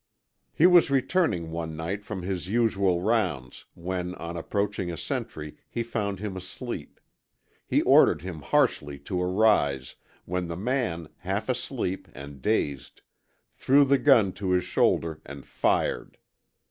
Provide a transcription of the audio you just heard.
He was returning one night from his usual rounds when, on approaching a sentry, he found him asleep. He ordered him harshly to arise, when the man, half asleep, and dazed, threw the gun to his shoulder and fired.